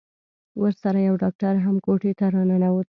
ورسره يو ډاکتر هم کوټې ته راننوت.